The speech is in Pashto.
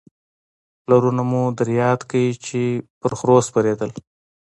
پلرونه مو در یاد کړئ چې په خره سپرېدل